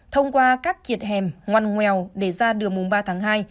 thông qua các kiệt hẻm ngoan ngoèo để ra đường mùng ba tháng hai